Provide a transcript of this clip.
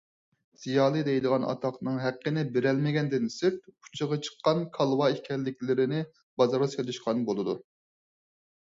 زىيالىي دەيدىغان ئاتاقنىڭ ھەققىنى بېرەلمىگەندىن سىرت ئۇچىغا چىققان كالۋا ئىكەنلىكلىرىنى بازارغا سېلىشقان بولىدۇ.